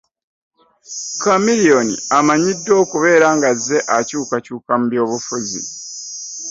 Chameleon amanyiddwa okubeera ng'azze akyukakyuka mu by'obufuzi.